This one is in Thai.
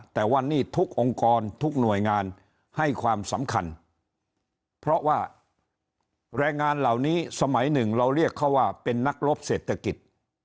แต่วันนี้ทุกองค์กรทุกหน่วยงานให้ความสำคัญเพราะว่าแรงงานเหล่านี้สมัยหนึ่งเราเรียกเขาว่าเป็นนักรบเศรษฐกิจ